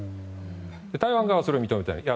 台湾側はそれを認めていない。